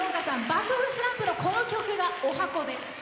爆風スランプのこの曲が、おはこです。